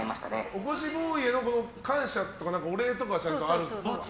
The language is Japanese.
起こしボーイへの感謝とかお礼とかはあるんですか。